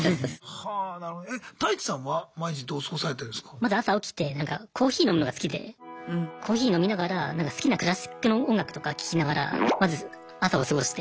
まず朝起きてコーヒー飲むのが好きでコーヒー飲みながら好きなクラシックの音楽とか聴きながらまず朝を過ごして。